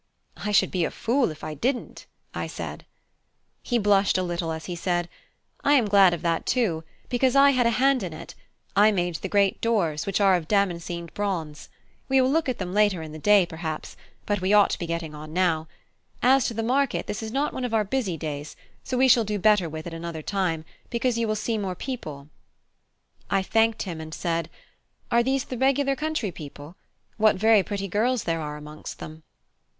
"I should be a fool if I didn't," said I. He blushed a little as he said: "I am glad of that, too, because I had a hand in it; I made the great doors, which are of damascened bronze. We will look at them later in the day, perhaps: but we ought to be getting on now. As to the market, this is not one of our busy days; so we shall do better with it another time, because you will see more people." I thanked him, and said: "Are these the regular country people? What very pretty girls there are amongst them."